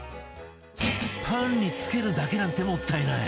パンにつけるだけなんてもったいない！